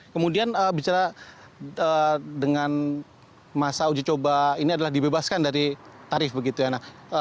kemudian bicara dengan masa uji coba ini adalah dibebaskan dari tarif begitu ya